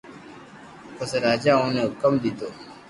پسي راجا اوني ھڪم ديدو